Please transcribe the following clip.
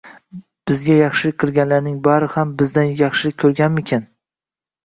bizga yaxshilik qilganlarning barisi ham bizdan yaxshilik ko’rganmikan?!.